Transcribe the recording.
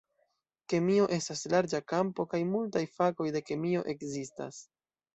Kemio estas larĝa kampo kaj multaj fakoj de kemio ekzistas.